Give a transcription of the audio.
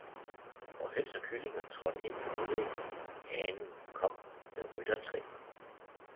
Og høns og kyllinger trådte ind på møddingen, hanen kom med ryttertrin